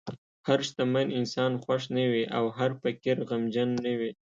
هر شتمن انسان خوښ نه وي، او هر فقیر غمجن نه وي.